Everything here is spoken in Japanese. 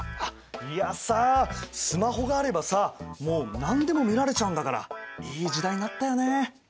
いやさスマホがあればさもう何でも見られちゃうんだからいい時代になったよね。